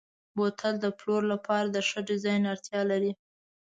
بوتل د پلور لپاره د ښه ډیزاین اړتیا لري.